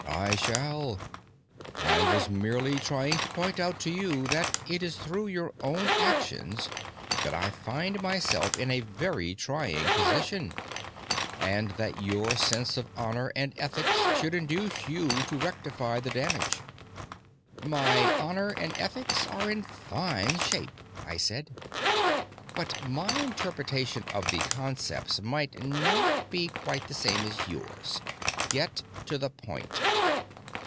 "I shall. I was merely trying to point out to you that it is through your own actions that I find myself in a very trying position, and that your sense of honor and ethics should induce you to rectify the damage." "My honor and ethics are in fine shape," I said, "but my interpretation of the concepts might not be quite the same as yours. Get to the point."